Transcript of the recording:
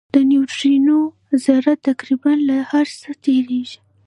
د نیوټرینو ذره تقریباً له هر څه تېرېږي.